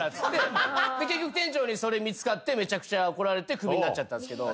結局店長にそれ見つかってめちゃくちゃ怒られて首になっちゃったんですけど。